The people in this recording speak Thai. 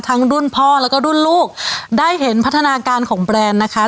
รุ่นพ่อแล้วก็รุ่นลูกได้เห็นพัฒนาการของแบรนด์นะคะ